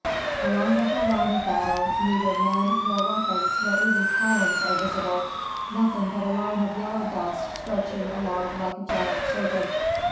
Along the whole line of battle neither men, nor weapons, nor even columns are visible, nothing but a line of yellow dust stretching along like a giant serpent.